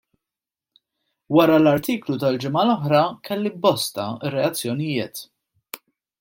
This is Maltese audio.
Wara l-artiklu tal-ġimgħa l-oħra, kelli bosta reazzjonijiet.